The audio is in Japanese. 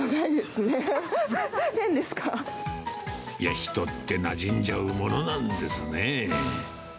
いや、人ってなじんじゃうものなんですね。